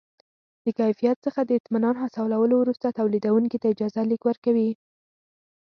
د کیفیت څخه د اطمینان حاصلولو وروسته تولیدوونکي ته اجازه لیک ورکوي.